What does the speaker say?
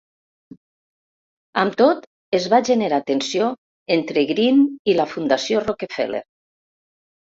Amb tot, es va generar tensió entre Greene i la Fundació Rockefeller.